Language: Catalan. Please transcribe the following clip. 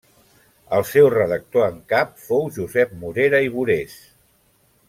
El seu redactor en cap fou Josep Morera i Borés.